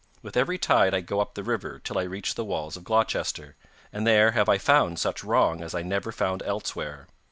With every tide I go up the river, till I reach the walls of Gloucester, and there have I found such wrong as I never found elsewhere.